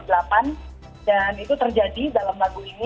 dan itu terjadi dalam lagu ini